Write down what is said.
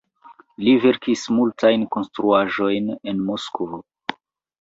Li verkis multajn konstruaĵojn en Moskvo.